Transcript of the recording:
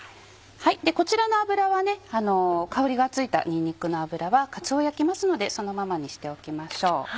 でこちらの油は香りがついたにんにくの油はかつおを焼きますのでそのままにしておきましょう。